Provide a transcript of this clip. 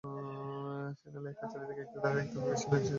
Channel আইয়ে প্রচারিত আরেকটি ধারাবাহিক তুমি আমি ভীষণ একা, সেটিরও একই দশা।